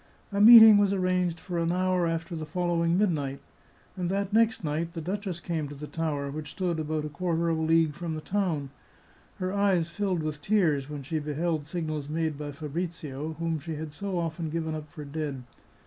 A meeting was arranged for an hour after the following midnight, and that next night the duchess came to the tower, which stood about a quarter of a league from the town. Her eyes filled with tears when she beheld signals made by Fabrizio, whom she had so often given up for dead.